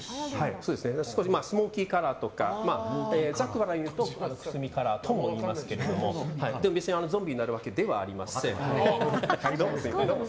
少しスモーキーカラーとかざっくばらんに言うとくすみカラーとも言いますけど別にゾンビになるわけではありません。